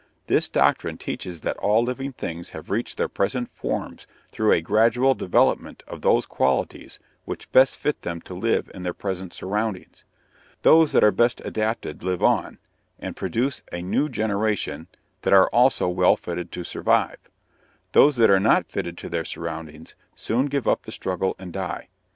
This doctrine teaches that all living things have reached their present forms through a gradual development of those qualities which best fit them to live in their present surroundings. Those that are best adapted live on, and produce a new generation that are also well fitted to survive. Those that are not fitted to their surroundings soon give up the struggle and die.